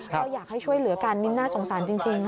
ก็อยากให้ช่วยเหลือกันนี่น่าสงสารจริง